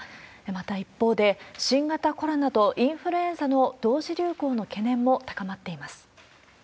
また一方で、新型コロナとインフルエンザの同時流行の懸念も高まっています。